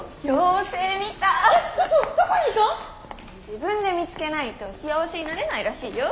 自分で見つけないと幸せになれないらしいよ。